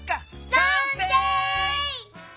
さんせい！